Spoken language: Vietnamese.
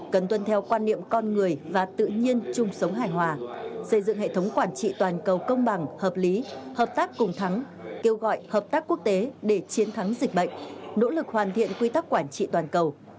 cần tuân theo quan niệm con người và tự nhiên chung sống hài hòa xây dựng hệ thống quản trị toàn cầu công bằng hợp lý hợp tác cùng thắng kêu gọi hợp tác quốc tế để chiến thắng dịch bệnh nỗ lực hoàn thiện quy tắc quản trị toàn cầu